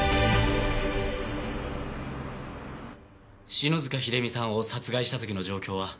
篠塚秀実さんを殺害した時の状況は？